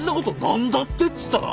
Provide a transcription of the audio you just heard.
「何だって」っつったな。